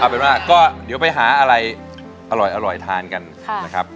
เป็นว่าก็เดี๋ยวไปหาอะไรอร่อยทานกันนะครับ